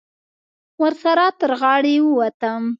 ورسره تر غاړې ووتم.